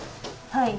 はい。